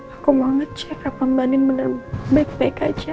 aku mau ngecek apa banin bener baik baik aja